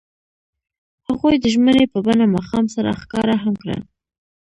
هغوی د ژمنې په بڼه ماښام سره ښکاره هم کړه.